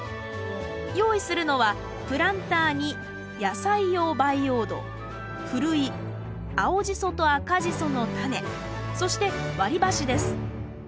用意するのはプランターに野菜用培養土ふるい青ジソと赤ジソのタネそして割り箸です